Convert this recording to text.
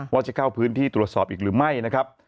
ว่าจะเข้าพื้นที่ตรวจสอบอีกหรือไม่นะครับ